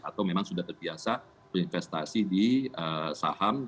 atau memang sudah terbiasa berinvestasi di saham